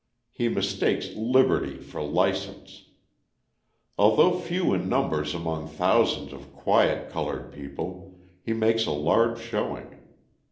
He mistakes liberty for licence. Although few in numbers among thousands of quiet coloured people, he makes a large showing.